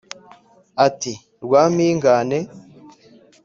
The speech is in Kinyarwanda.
Ati: “Rwampingane!”